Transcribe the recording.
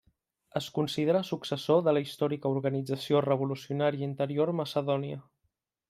Es considera successor de la històrica Organització Revolucionària Interior Macedònia.